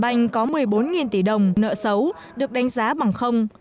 báo cáo kiểm toán kết luận ocean bank có một mươi bốn tỷ đồng nợ xấu được đánh giá bằng